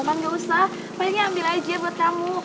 loh kan gak usah payungnya ambil aja buat kamu